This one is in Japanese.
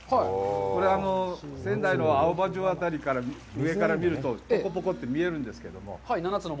これは仙台の青葉城辺りから、上から見るとポコポコって見えるんですけど、７つの森。